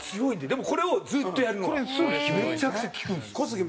でもこれをずっとやるのがめちゃくちゃ効くんですよ。